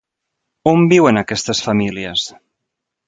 On viuen aquestes famílies?